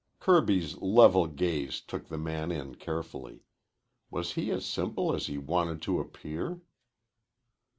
Kirby's level gaze took the man in carefully. Was he as simple as he wanted to appear?